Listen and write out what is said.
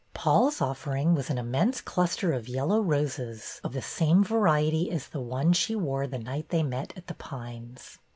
Paul's offering was an immense cluster of yellow roses of the same variety as the one she wore the night they met at The Pines.